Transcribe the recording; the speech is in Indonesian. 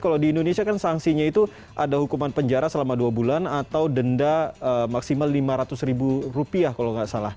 kalau di indonesia kan sanksinya itu ada hukuman penjara selama dua bulan atau denda maksimal lima ratus ribu rupiah kalau nggak salah